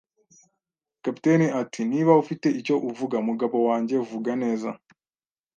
Kapiteni ati: "Niba ufite icyo uvuga, mugabo wanjye, vuga neza."